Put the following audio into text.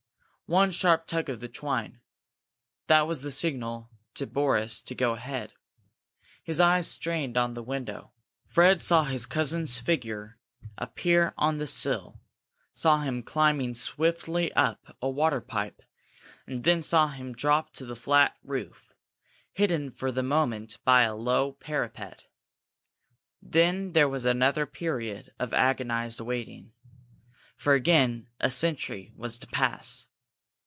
One sharp tug of the twine. That was the signal to Boris to go ahead. His eyes strained on the window, Fred saw his cousin's figure appear on the sill, saw him climbing swiftly up a water pipe, and then saw him drop to the flat roof, hidden for the moment by a low parapet. Then there was another period of agonized waiting, for again a sentry was to pass.